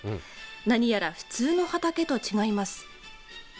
何やら普通の畑と違います。